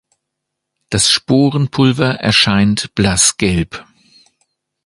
Das Sporenpulver erscheint blassgelb.